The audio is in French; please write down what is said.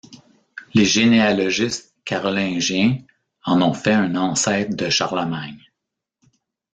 Les généalogistes carolingiens en ont fait un ancêtre de Charlemagne.